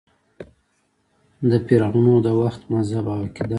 د فرعنوو د وخت مذهب او عقیده :